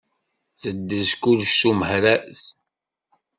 Teddez kullec s umehraz